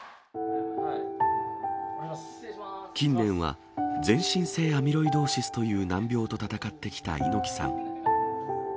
近年は、全身性アミロイドーシスという難病と闘ってきた猪木さん。